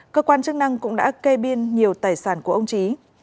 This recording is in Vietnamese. cơ quan chức năng cũng đã kê biên nhiều tài sản của ông trí